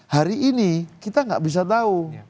hari ini kita nggak bisa tahu